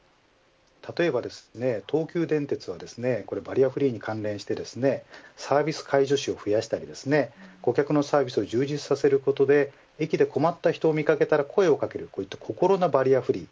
例えば東急電鉄はバリアフリーに関連してサービス介助士を増やしたり顧客のサービスを充実させることで駅で困った人を見かけたら声をかける心のバリアフリー